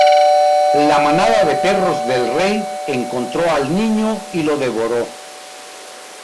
La manada de perros del rey encontró al niño y lo devoró.